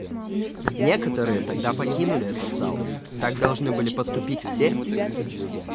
Некоторые тогда покинули этот зал; так должны были поступить все.